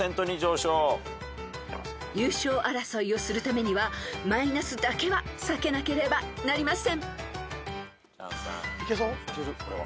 ［優勝争いをするためにはマイナスだけは避けなければなりません］